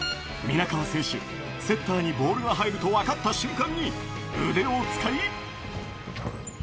皆川選手、セッターにボールが入ると分かった瞬間に、腕を使い。